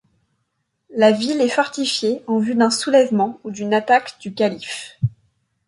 La ville est fortifiée en vue d'un soulèvement ou d'une attaque du Calife.